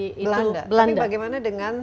tapi bagaimana dengan